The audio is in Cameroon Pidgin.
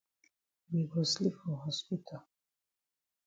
We go sleep for hospital.